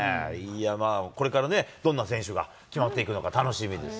これからね、どんな選手が決まっていくのか、楽しみです。